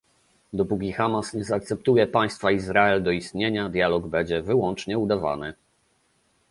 Dopóki Hamas nie zaakceptuje prawa Państwa Izrael do istnienia, dialog będzie wyłącznie udawany